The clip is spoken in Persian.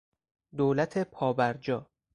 دولت پابرجا